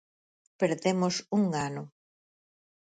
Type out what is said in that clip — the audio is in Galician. Perdemos un ano.